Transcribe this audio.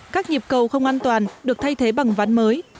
các nhịp cầu không an toàn được thay thế bằng ván mới